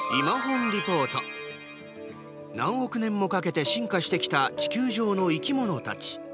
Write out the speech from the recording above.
何億年もかけて進化してきた地球上の生き物たち。